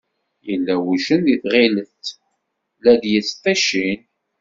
Yella wuccen deg tɣilet, la d-yesṭiccin.